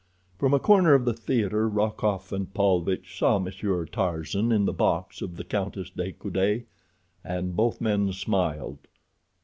From a corner of the theater Rokoff and Paulvitch saw Monsieur Tarzan in the box of the Countess de Coude, and both men smiled.